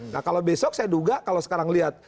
nah kalau besok saya duga kalau sekarang lihat